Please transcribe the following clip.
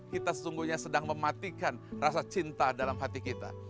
kita sesungguhnya sedang mematikan rasa cinta dalam hati kita